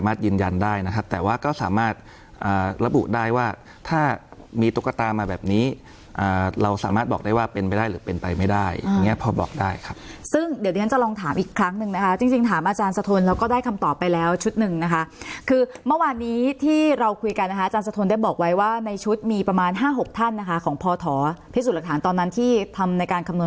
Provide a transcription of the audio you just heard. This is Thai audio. เราสามารถบอกได้ว่าเป็นไปได้หรือเป็นไปไม่ได้อย่างเงี้ยพอบอกได้ครับซึ่งเดี๋ยวฉันจะลองถามอีกครั้งหนึ่งนะคะจริงจริงถามอาจารย์สะทนแล้วก็ได้คำตอบไปแล้วชุดหนึ่งนะคะคือเมื่อวานนี้ที่เราคุยกันนะคะอาจารย์สะทนได้บอกไว้ว่าในชุดมีประมาณห้าหกท่านนะคะของพอทพิสูจน์หลักฐานตอนนั้นที่ทำในการคำน